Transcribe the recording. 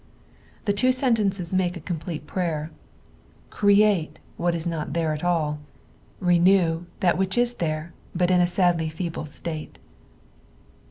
The two sentences make a complete prayer. "Greatt" what is not tliere at all ;" rmew " that which is there, but in a sadly feeble state.